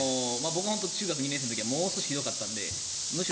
僕が中学２年生の時はもうちょっとひどかったので。